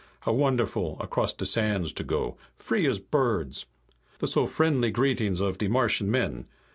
How wonderful, across the sands to go, free as birds! The so friendly greetings of de Martian men.